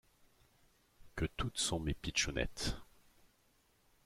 Que toutes sont mes pitchounettes.